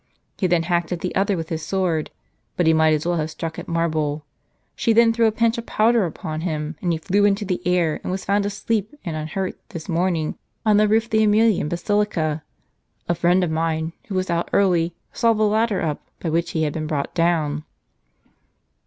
He then hacked at the other with his sword, but he might as well have struck at marble. She then threw a pinch of powder upon him, and he flew into the air, and was found, asleep and unhurt, this morning, on the roof of the JEmilian basilica. A friend of mine, who was out early, saw the ladder up, by which he had been brought down."